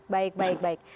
baik baik baik